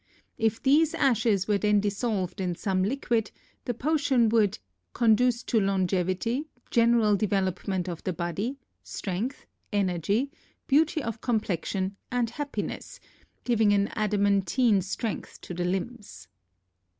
If these ashes were then dissolved in some liquid, the potion would "conduce to longevity, general development of the body, strength, energy, beauty of complexion, and happiness," giving an adamantine strength to the limbs.